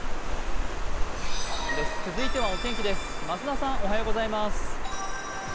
続いてはお天気です増田さん。